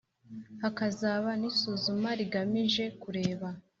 hakazaba n’isuzuma rigamije kureba